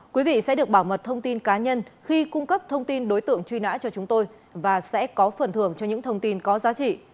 quý vị sẽ được bảo mật thông tin cá nhân khi cung cấp thông tin đối tượng truy nã cho chúng tôi và sẽ có phần thưởng cho những thông tin có giá trị